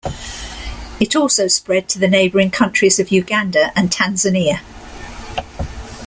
It also spread to the neighboring countries of Uganda and Tanzania.